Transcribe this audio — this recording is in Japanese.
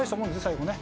最後ね。